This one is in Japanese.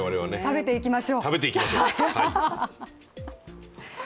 食べていきましょう。